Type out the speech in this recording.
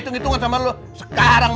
gue mau masuk awas